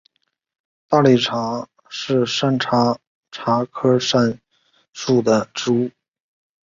大理茶是山茶科山茶属的植物。